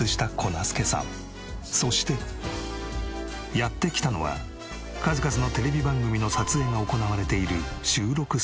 やって来たのは数々のテレビ番組の撮影が行われている収録スタジオ。